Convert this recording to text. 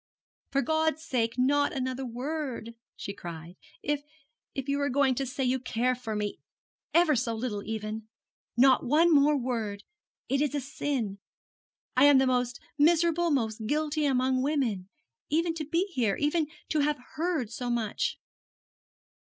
'For God's sake, not another word,' she cried,' if if you are going to say you care for me, ever so little, even. Not one more word. It is a sin. I am the most miserable, most guilty, among women, even to be here, even to have heard so much.'